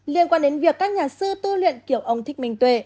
liên quan đến việc các nhà sư tư luyện kiểu ông thích bình tuệ